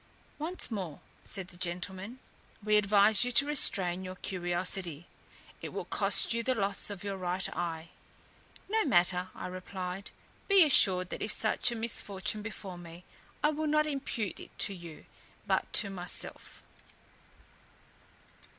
"Once more," said the same gentleman, "we advise you to restrain your curiosity: it will cost you the loss of your right eye." "No matter," I replied; "be assured that if such a misfortune befall me, I will not impute it to you, but to myself."